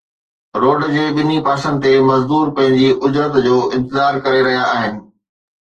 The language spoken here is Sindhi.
روڊ جي ٻنهي پاسن تي مزدور پنهنجي اجرت جو انتظار ڪري رهيا آهن